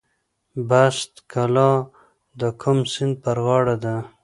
بست کلا د کوم سیند په غاړه ده؟